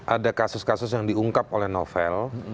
ada kasus kasus yang diungkap oleh novel